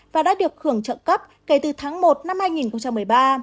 và đã được khưởng trợ cấp kể từ tháng một năm hai nghìn một mươi chín